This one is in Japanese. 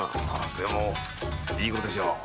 でもいい娘でしょう。